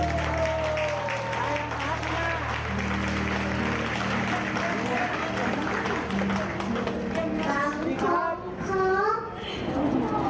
ใจต่อในกลับเข้า